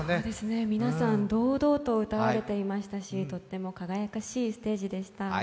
皆さん堂々と歌われていましたし、とっても輝かしいステージでした。